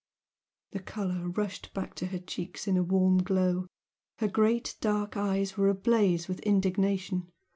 The colour rushed back to her cheeks in a warm glow her great dark eyes were ablaze with indignation.